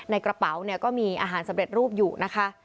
กระเป๋าเนี่ยก็มีอาหารสำเร็จรูปอยู่นะคะ